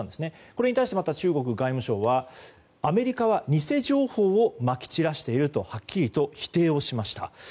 これに対して中国外務省はアメリカは偽情報をまき散らしているとはっきり否定しました。